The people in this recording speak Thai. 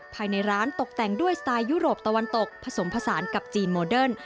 ภายในร้านตกแต่งด้วยสไตล์ยุโรปตะวันตกผสมผสานกับจีนโมเดิร์น